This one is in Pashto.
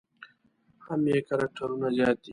هم یې کرکټرونه زیات دي.